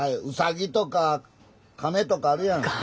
うさぎとかカメとかあるやん。